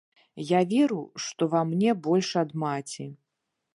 Я веру, што ва мне больш ад маці.